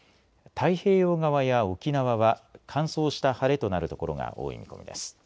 太平洋側や沖縄は乾燥した晴れとなる所が多い見込みです。